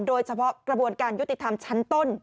โดยเฉพาะกระบวนการยุติธรรมชั้นต้น